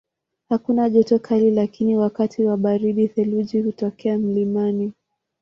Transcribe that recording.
Hakuna joto kali lakini wakati wa baridi theluji hutokea mlimani.